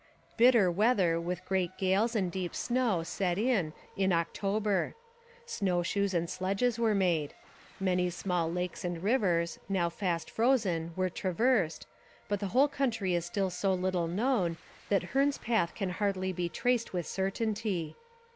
Bitter weather with great gales and deep snow set in in October. Snow shoes and sledges were made. Many small lakes and rivers, now fast frozen, were traversed, but the whole country is still so little known that Hearne's path can hardly be traced with certainty.